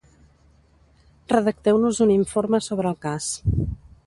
Redacteu-nos un informe sobre el cas.